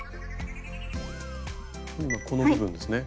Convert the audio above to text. この部分ですね。